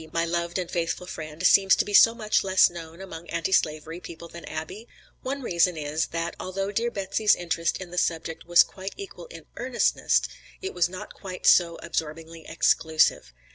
my loved and faithful friend, seems to be so much less known among anti slavery people than Abbie? One reason is, that although dear Betsy's interest in the subject was quite equal in earnestness, it was not quite so absorbingly exclusive.